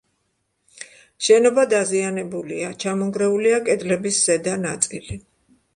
შენობა დაზიანებულია: ჩამონგრეულია კედლების ზედა ნაწილი.